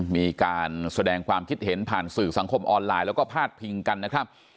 มีการแสดงความคิดเห็นผ่านสื่อสังคมออนไลน์แล้วก็พาดพิงกันนะครับ